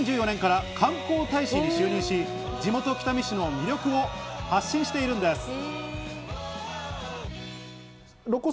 ２０１４年から観光大使に就任し、地元・北見市の魅力を発信しているんです。